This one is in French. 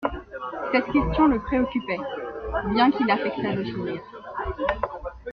Cette question le préoccupait, bien qu'il affectât de sourire.